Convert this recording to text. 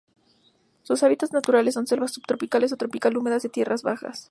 Sus hábitats naturales son selvas subtropical o tropical húmedas, de tierras bajas.